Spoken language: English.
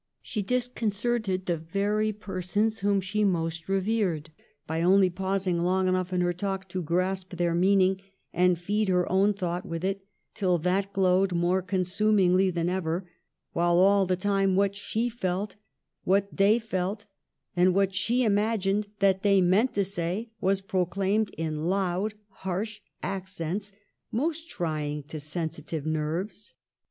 She disconcerted the very persons whom she most revered by only pausing long enough in her talk to grasp their meaning, and feed her own thought with it till that glowed more consumingly than ever, while all the time what she felt, what they felt, and what she imagined that they meant to say was pro claimed in loud, harsh accents, most trying to sensitive nerves.